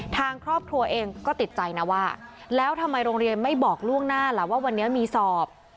ทางครอบครัวเองก็ติดใจนะว่าแล้วทำไมโรงเรียนไม่บอกล่วงหน้าล่ะว่าวันนี้มีสอบ